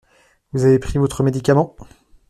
Vous avez pris votre médicament ?